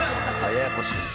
ややこしい。